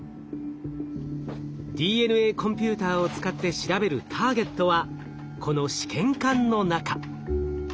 ＤＮＡコンピューターを使って調べるターゲットはこの試験管の中。